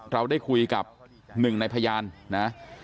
เราได้คุยกับหนึ่งในพยานนะ